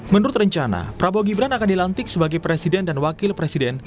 menurut rencana prabowo gibran akan dilantik sebagai presiden dan wakil presiden